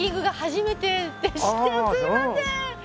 すいません。